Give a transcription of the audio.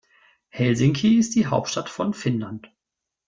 Helsinki ist die Hauptstadt von Finnland.